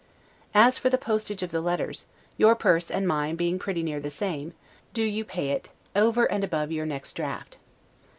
As for the postage of the letters, your purse and mine being pretty near the same, do you pay it, over and above your next draught.